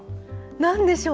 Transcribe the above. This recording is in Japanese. なんでしょう。